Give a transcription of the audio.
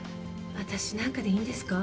わたしなんかでいいんですか？